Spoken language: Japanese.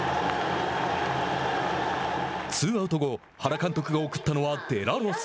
ツーアウト後原監督が送ったのはデラロサ。